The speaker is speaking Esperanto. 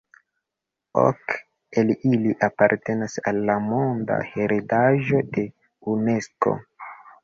Ok el ili apartenas al la monda heredaĵo de Unesko.